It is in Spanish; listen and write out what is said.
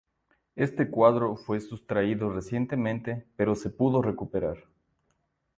Este cuadro fue sustraído recientemente, pero se pudo recuperar.